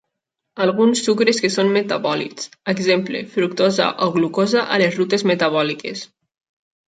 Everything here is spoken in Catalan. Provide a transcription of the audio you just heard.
Alguns sucres que són metabòlits; exemple: fructosa o glucosa a les rutes metabòliques.